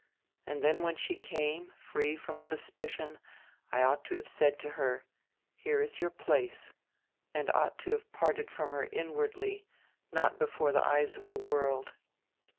And dien when she came, free from suspicion, I ought to have said to her: 'Here is your place,' and ought to have parted from her inwardly, not before the eyes of the world.